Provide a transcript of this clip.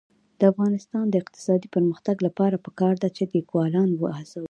د افغانستان د اقتصادي پرمختګ لپاره پکار ده چې لیکوالان وهڅوو.